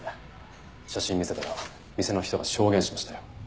写真見せたら店の人が証言しましたよ。